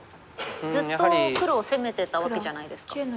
ずっと黒を攻めてたわけじゃないですか。